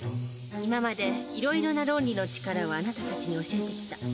今までいろいろなロンリのちからをあなたたちに教えてきた。